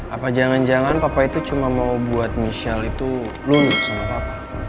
apa jangan jangan papa itu cuma mau buat michelle itu lulut sama papa